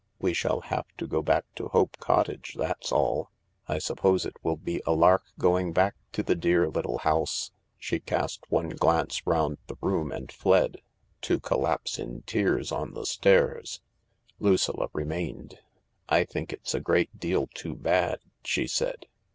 We shall have to go back to Hope Cottage, that's all. I suppose it will be a lark going back to the dear little house." 286 THE LARK She cast one glance round the room and fled — to collapse in tears on the stairs. Lucilla remained. " I think it's a great deal too bad," she said.